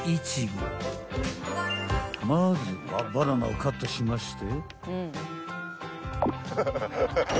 ［まずはバナナをカットしまして］